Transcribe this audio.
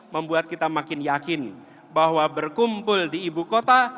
membuat kita makin yakin bahwa berkumpul di ibu kota